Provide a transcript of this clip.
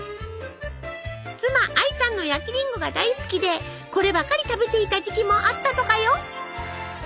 妻アイさんの焼きりんごが大好きでこればかり食べていた時期もあったとかよ。